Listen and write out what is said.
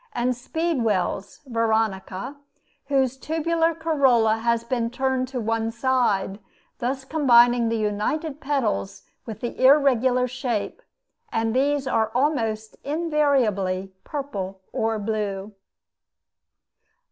and speedwells (Veronica), whose tubular corolla has been turned to one side, thus combining the united petals with the irregular shape; and these are almost invariably purple or blue.